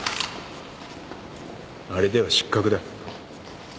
あれでは失格だ。